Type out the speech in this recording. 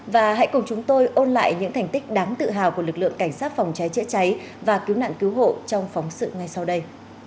và hãy cùng chúng tôi ôn lại những thành tích đáng tự hào của lực lượng cảnh sát phòng cháy chữa cháy và cứu nạn cứu hộ trong phóng sự ngay sau đây